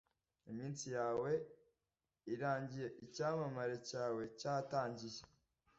Iminsi yawe irangiye icyamamare cyawe cyatangiye